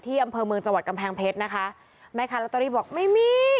ที่อำเภอเมืองจังหวัดกำแพงเพชรนะคะแม่ค่ะแล้วตอนนี้บอกไม่มี